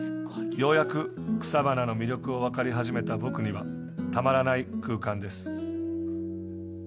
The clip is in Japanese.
ようやく草花の魅力が分かり始めた僕には、たまらない空間です。